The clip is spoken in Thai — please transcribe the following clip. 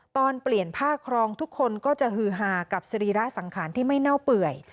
ตอนเปลี่ยนผ้าครองทุกคนก็จะฮือหากับสรีระสังขารที่ไม่เน่าเปื่อย